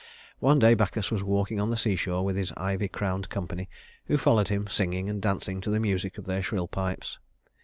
One day Bacchus was walking on the seashore with his ivy crowned company, who followed him singing and dancing to the music of their shrill pipes.